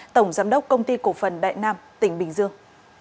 tổng giám đốc công ty cổ phần đại nam tỉnh bình dương